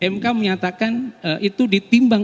mk menyatakan itu ditimbang